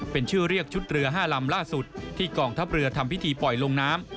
เป็นชื่อเรียกชุดเรือ๕ลำล่าสุดที่กองทัพเรือทำพิธีปล่อยลงน้ำ